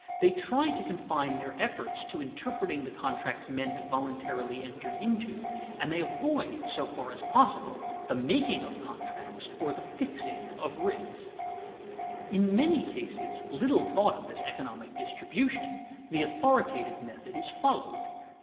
They try to confine their efforts to interpreting the contracts men have voluntarily entered into, and they avoid, so far as possible, the making of contracts or the fixing of rates. [Sidenote: In various contests] In many cases, little thought of as economic distribution, the authoritative method is followed.